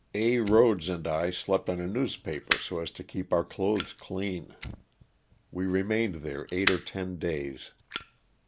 A. Khodes and I slept on a newspaper so as to keep our clothes clean. We remained there eight or ten dayp.